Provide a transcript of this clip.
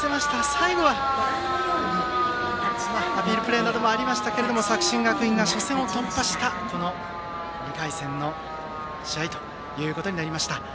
最後はアピールプレーなどもありましたけども作新学院が初戦を突破したというこの２回戦の試合となりました。